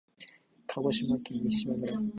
鹿児島県三島村